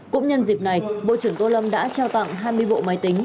cũng nhân dịp này bộ trưởng tô lâm đã trao tặng hai mươi bộ máy tính